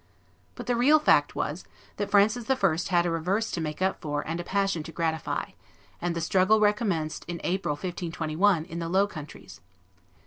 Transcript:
But the real fact was, that Francis I. had a reverse to make up for and a passion to gratify; and the struggle recommenced in April, 1521, in the Low Countries.